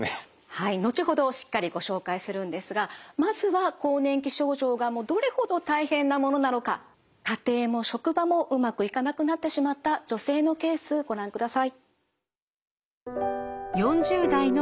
はい後ほどしっかりご紹介するんですがまずは更年期症状がもうどれほど大変なものなのか家庭も職場もうまくいかなくなってしまった女性のケースご覧ください。